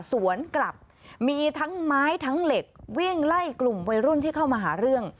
สวนกลับมีทั้งไม้ทั้งเหล็กวิ่งไล่กลุ่มวัยรุ่นที่เข้ามาหาเรื่อง